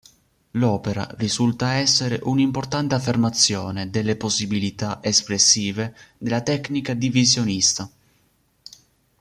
L’opera risulta essere un’importante affermazione delle possibilità espressive della tecnica divisionista.